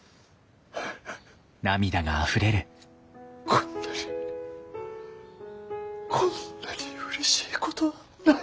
こんなにこんなにうれしいことはない。